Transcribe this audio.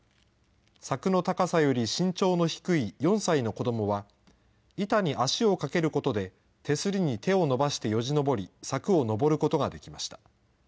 柵の高さより身長の低い４歳の子どもは、板に足をかけることで、手すりに手を伸ばしてよじ登り、柵を登ることができました。